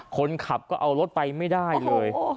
คนขับก็เอารถไปไม่ได้เลย